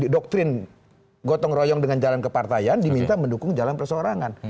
doktrin gotong royong dengan jalan kepartaian diminta mendukung jalan perseorangan